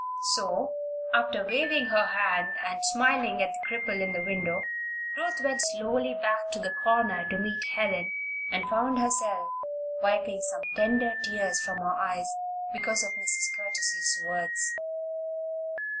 So, after waving her hand and smiling at the cripple in the window, Ruth went slowly back to the corner to meet Helen, and found herself wiping some tender tears from her eyes because of Mrs. Curtis's words.